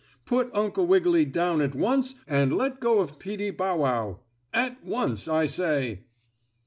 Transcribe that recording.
Put Uncle Wiggily down at once and let go of Peetie Bow Wow. At once, I say!"